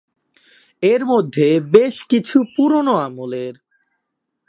এরমধ্যে বেশকিছু পুরানো আমলের।